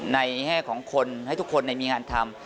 แง่ของคนให้ทุกคนมีงานทำ